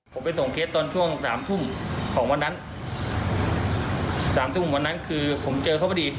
ผมไปส่งเคสตอนช่วงสามทุ่มของวันนั้นสามทุ่มวันนั้นคือผมเจอเขาพอดี